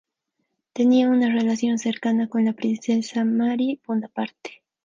Tenía una relación cercana con la princesa Marie Bonaparte.